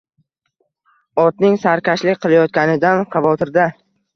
Otning sarkashlik qilayotganidan xavotirda